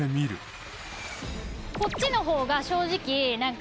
こっちの方が正直なんか。